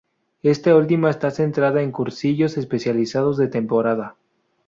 Esta última está centrada en cursillos especializados de temporada.